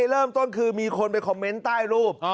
เริ่มต้นคือมีคนไปคอมเมนต์ใต้รูป